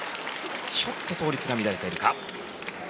ちょっと倒立が乱れているか。